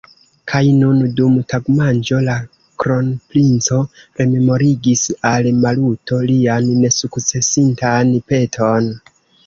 Kaj nun, dum tagmanĝo, la kronprinco rememorigis al Maluto lian nesukcesintan peton.